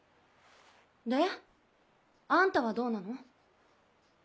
であんたはどうなの？